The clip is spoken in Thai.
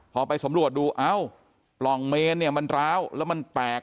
พอไปสำรวจดูเอ้าปล่องเมนเนี่ยมันร้าวแล้วมันแตก